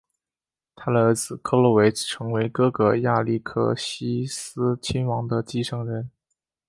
他的儿子克洛维成为哥哥亚历克西斯亲王的继承人。